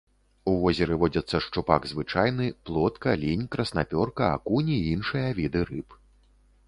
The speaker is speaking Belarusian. У возеры водзяцца шчупак звычайны, плотка, лінь, краснапёрка, акунь і іншыя віды рыб.